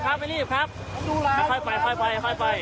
ก็ค่อยไปค่อยไป